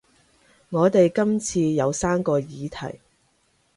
我哋今次有三個議題